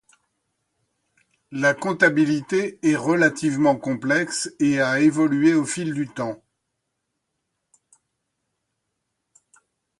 La comptabilité est relativement complexe et a évolué au fil du temps.